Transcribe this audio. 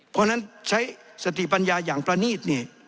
เพราะฉะนั้นใช้สติปัญญาอย่างประนีตเนี่ย